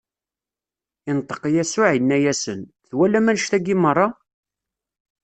Inṭeq Yasuɛ, inna-asen: Twalam annect-agi meṛṛa?